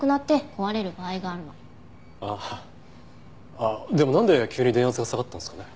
あっでもなんで急に電圧が下がったんですかね？